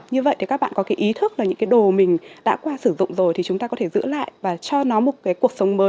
như vậy thì các bạn có cái ý thức là những cái đồ mình đã qua sử dụng rồi thì chúng ta có thể giữ lại và cho nó một cái cuộc sống mới